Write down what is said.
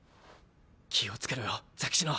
気をつけろよザキシノ。